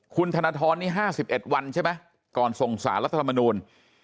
คุณธนทรนี่๕๑วันใช่ไหมก่อนส่งสารรัฐธรรมนูล